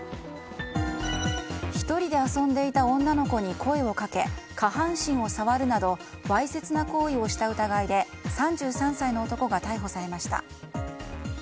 １人で遊んでいた女の子に声をかけ下半身を触るなどわいせつな行為をした疑いで３３歳の男が逮捕されました。